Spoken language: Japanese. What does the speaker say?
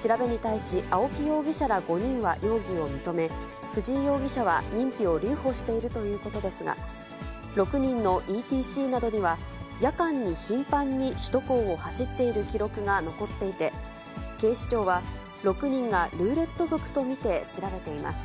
調べに対し、青木容疑者ら５人は容疑を認め、藤井容疑者は認否を留保しているということですが、６人のＥＴＣなどには、夜間に頻繁に首都高を走っている記録が残っていて、警視庁は６人がルーレット族と見て、調べています。